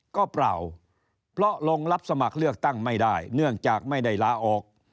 ก็เปล่าเพราะลงรับสมัครเลือกตั้งไม่ได้เนื่องจากไม่ได้ลาออก